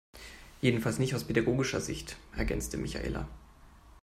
Jedenfalls nicht aus pädagogischer Sicht, ergänzte Michaela.